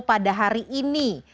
pada hari ini